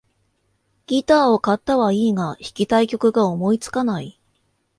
ギターを買ったはいいが、弾きたい曲が思いつかない